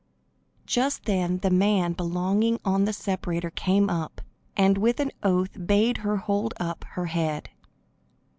Just then the man belonging on the separator came up, and with an oath bade her hold up her head.